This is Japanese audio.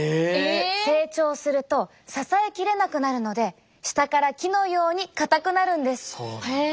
成長すると支えきれなくなるので下から木のようにかたくなるんです。